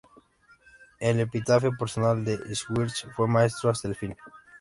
El epitafio personal de Schwartz fue "Maestro hasta el fin".